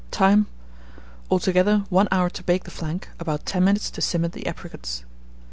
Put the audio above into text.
Time. Altogether, 1 hour to bake the flanc, about 10 minutes to simmer the apricots.